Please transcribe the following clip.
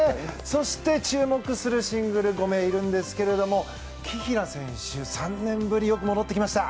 そして注目するシングル５名がいるんですが紀平選手、３年ぶりに戻ってきました！